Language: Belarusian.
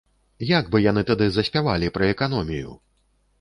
Як бы яны тады заспявалі пра эканомію!